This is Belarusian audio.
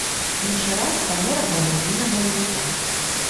Іншы раз памерам да галубінага яйца.